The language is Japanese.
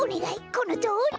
このとおり！